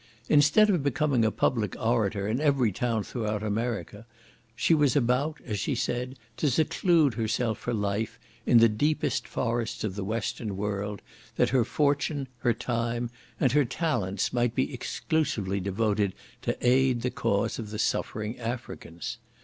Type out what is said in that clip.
Instead of becoming a public orator in every town throughout America, she was about, as she said, to seclude herself for life in the deepest forests of the western world, that her fortune, her time, and her talents might be exclusively devoted to aid the cause of the suffering Africans.